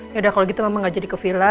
yaudah kalau gitu mama ga jadi ke villa